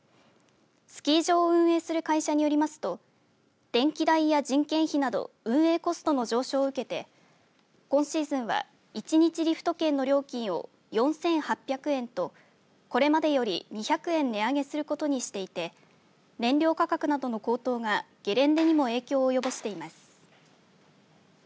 スキー場を運営する会社によりますと電気代や人件費など運営コストの上昇を受けて今シーズンは１日リフト券の料金を４８００円とこれまでより２００円値上げすることにしていて燃料価格などの高騰がゲレンデにも影響を及ぼしています。